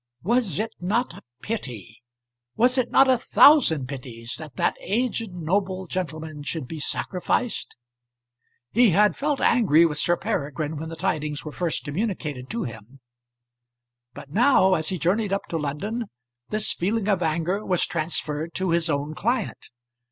Was it not a pity? Was it not a thousand pities that that aged noble gentleman should be sacrificed? He had felt angry with Sir Peregrine when the tidings were first communicated to him; but now, as he journeyed up to London this feeling of anger was transferred to his own client.